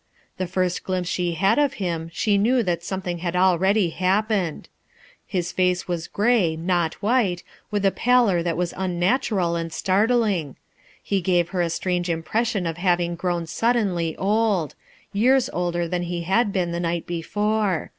The first glimpse she had of him she knew that something had already happened His face was gray, not white, with a pallor that was unnatural and startling; lie gave her a strange impression of having grown suddenly old — years older than ho had been the night before.